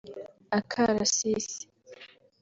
Akarasisi